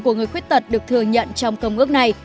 của người khuyết tật được thừa nhận trong công ước này